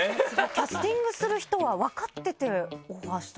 キャスティングする人は分かっててオファーしたんですかね？